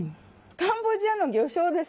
カンボジアの魚しょうです。